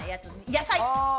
野菜。